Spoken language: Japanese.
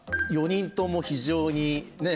４人とも非常にね